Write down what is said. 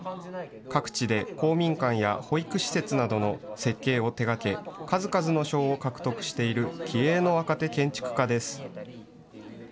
各地で公民館や保育施設などの設計を手がけ、数々の賞を獲得している気鋭の若手建築家です。